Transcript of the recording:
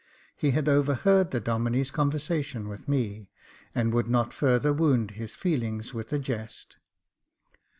He had overheard the Domine's conversa tion with me, and would not further wound his feelings with a jest.